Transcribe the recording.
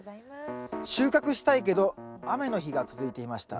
「収穫したいけど雨の日が続いていました。